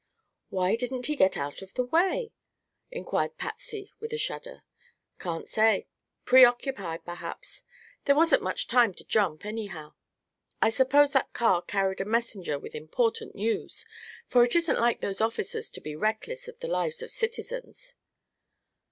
"Why didn't he get out of the way?" inquired Patsy with a shudder. "Can't say. Preoccupied, perhaps. There wasn't much time to jump, anyhow. I suppose that car carried a messenger with important news, for it isn't like those officers to be reckless of the lives of citizens."